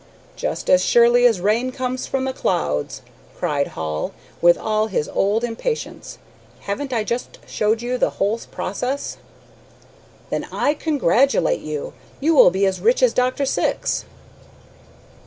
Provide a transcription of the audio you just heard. "Just as surely as rain comes from the clouds," cried Hall, with all his old impatience. "Haven't I just showed you the whole process?" "Then I congratulate you. You will be as rich as Dr. Syx."